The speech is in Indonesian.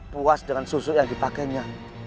dia sudah puas dengan susuk yang dipakainya